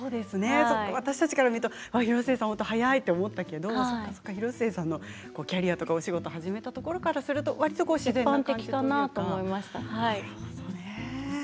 私たちからすると広末さん早いと思っていたけど広末さんのキャリアとかお仕事を始めたところからするとわりと自然かなと。